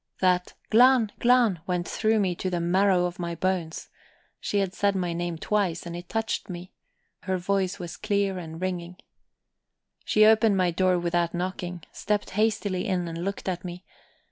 That "Glahn Glahn" went through me to the marrow of my bones; she said my name twice, and it touched me; her voice was clear and ringing. She opened my door without knocking, stepped hastily in, and looked at me.